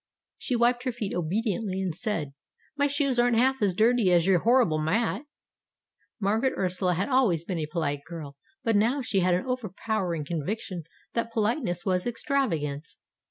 She wiped her feet obediently, and said, "My shoes aren't half as dirty as your horrible mat." Margaret Ursula had always been a polite girl, but now she had an overpowering conviction that polite ness was extravagance.